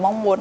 và mong muốn